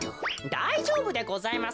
だいじょうぶでございます。